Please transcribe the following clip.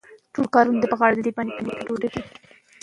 ابداليان د هېواد د ساتنې لپاره تل تيار دي.